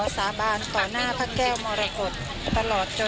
สาโชค